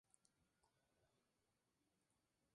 Es nombrado por el pase Altamont por dónde transita.